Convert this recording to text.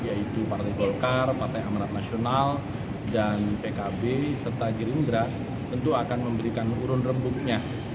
yaitu partai golkar partai amanat nasional dan pkb serta gerindra tentu akan memberikan urun rembuknya